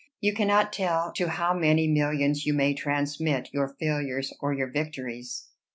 You cannot tell to how many millions you may transmit your failures or your victories."